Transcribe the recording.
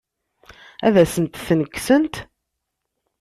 Ad asent-ten-kksent?